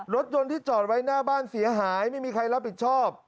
รถยนต์ที่จอดไว้หน้าบ้านเสียหายไม่มีใครรับผิดชอบ